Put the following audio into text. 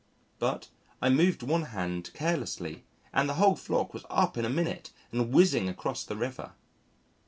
But I moved one hand carelessly and the whole flock was up in a minute and whizzing across the river.